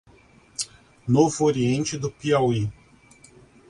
Novo Oriente do Piauí